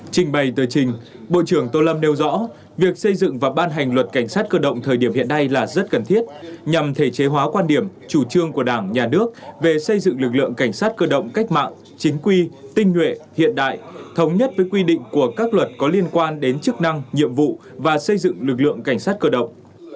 trình bày tờ trình bộ trưởng tô lâm nêu rõ việc xây dựng và ban hành luật cảnh sát cơ động thời điểm hiện nay là rất cần thiết nhằm thể chế hóa quan điểm chủ trương của đảng nhà nước về xây dựng lực lượng cảnh sát cơ động cách mạng chính quy tinh nguyện hiện đại thống nhất với quy định của các luật có liên quan đến chức năng nhiệm vụ và xây dựng lực lượng cảnh sát cơ động